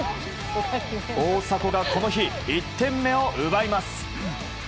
大迫がこの日１点目を奪います。